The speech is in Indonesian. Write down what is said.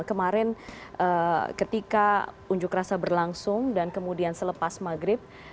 kemarin ketika unjuk rasa berlangsung dan kemudian selepas maghrib